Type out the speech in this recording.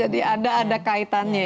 jadi ada kaitannya ya